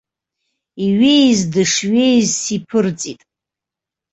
Иҩеиз дышҩеиз сиԥырҵит.